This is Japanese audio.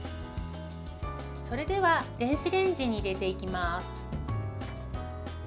それでは、電子レンジに入れていきます。